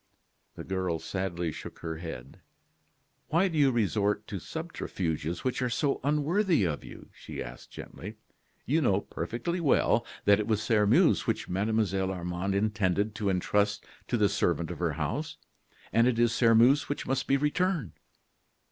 The girl sadly shook her head. "Why do you resort to subterfuges which are so unworthy of you?" she asked, gently. "You know perfectly well that it was Sairmeuse which Mademoiselle Armande intended to intrust to the servant of her house. And it is Sairmeuse which must be returned."